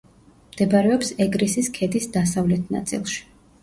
მდებარეობს ეგრისის ქედის დასავლეთ ნაწილში.